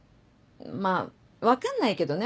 まぁ分かんないけどね